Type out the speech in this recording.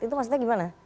itu maksudnya gimana